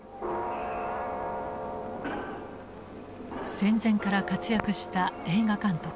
戦前から活躍した映画監督